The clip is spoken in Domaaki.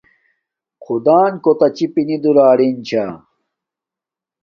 خدݳن کݸکتݳ چِپݵ نݵ دُرݳلِن چھݳ.